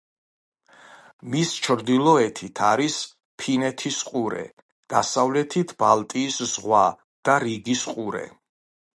მის ჩრდილოეთით არის ფინეთის ყურე, დასავლეთით ბალტიის ზღვა და რიგის ყურე.